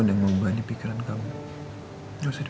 tidak mungkin unprecedented